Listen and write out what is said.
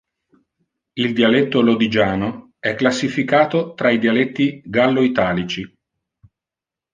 Il dialetto lodigiano è classificato tra i dialetti gallo-italici.